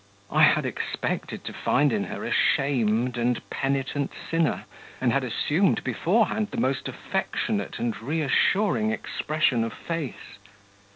I had expected to find in her a shamed and penitent sinner, and had assumed beforehand the most affectionate and reassuring expression of face....